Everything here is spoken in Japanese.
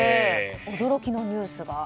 驚きのニュースが。